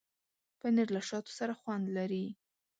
پنېر له شاتو سره خوند لري.